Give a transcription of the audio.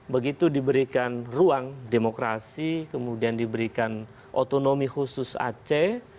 begitu diberikan ruang demokrasi kemudian diberikan otonomi khusus aceh